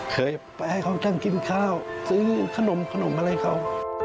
เคยไปให้เขาทั้งกินข้าวซื้อขนมขนมอะไรเขา